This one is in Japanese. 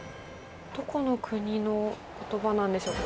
どこの国のことばなんでしょうか。